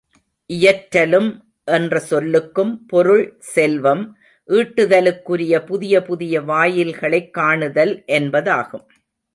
இயற்றலும் என்ற சொல்லுக்கும் பொருள் செல்வம் ஈட்டுதலுக்குரிய புதிய புதிய வாயில்களைக் காணுதல் என்பதாகும்.